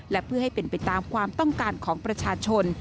และเพื่อให้เป็นไปตามความต้องการของประชาชน